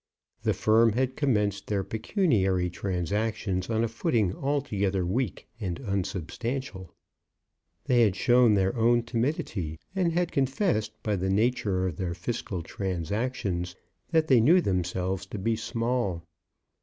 The firm had commenced their pecuniary transactions on a footing altogether weak and unsubstantial. They had shown their own timidity, and had confessed, by the nature of their fiscal transactions, that they knew themselves to be small.